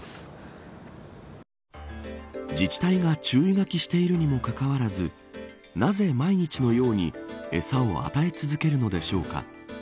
自治体が注意書きしているにもかかわらずなぜ毎日のように餌を与え続けるのでしょうか。